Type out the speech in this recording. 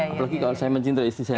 apalagi kalau saya mencintai istri saya